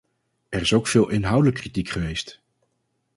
Er is ook veel inhoudelijk kritiek geweest.